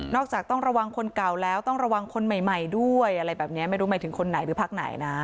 จากต้องระวังคนเก่าแล้วต้องระวังคนใหม่ด้วยอะไรแบบนี้ไม่รู้หมายถึงคนไหนหรือพักไหนนะ